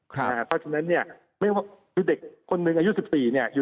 เพราะฉะนั้นเนี่ยไม่ว่าคือเด็กคนหนึ่งอายุ๑๔เนี่ย